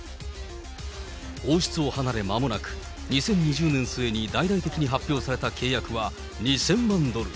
王室を離れまもなく、２０２０年末に大々的に発表された契約は、２０００万ドル。